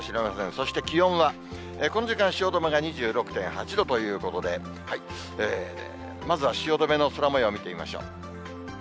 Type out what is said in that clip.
そして気温は、この時間、汐留が２６．８度ということで、まずは汐留の空もよう、見てみましょう。